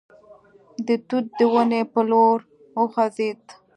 د توت د ونې په لور وخوځېد.